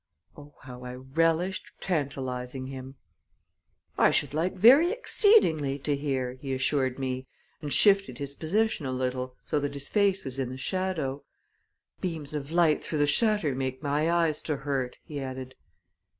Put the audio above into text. Oh, how I relished tantalizing him! "I should like very exceedingly to hear," he assured me, and shifted his position a little, so that his face was in the shadow. "The beams of light through the shutter make my eyes to hurt," he added.